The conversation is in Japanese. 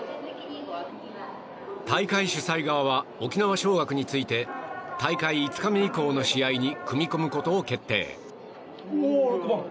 大会主催側は沖縄尚学について大会５日目以降の試合に組み込むことを決定。